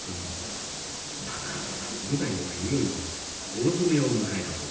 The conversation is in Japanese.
舞台はいよいよ大詰めを迎えました。